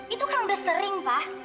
itu kan udah sering pak